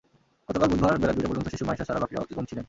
গতকাল বুধবার বেলা দুইটা পর্যন্ত শিশু মাইশা ছাড়া বাকিরা অচেতন ছিলেন।